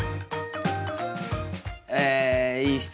えいい質問項目